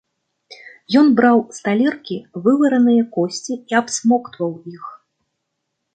Ён браў з талеркі вывараныя косці і абсмоктваў іх.